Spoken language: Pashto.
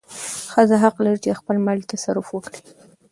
ښځه حق لري چې د خپل مال تصرف وکړي.